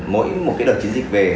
mỗi một cái đợt chiến dịch về